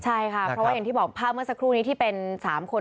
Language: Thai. ใช่ค่ะเพราะว่าอย่างที่บอกภาพเมื่อสักครู่นี้ที่เป็น๓คน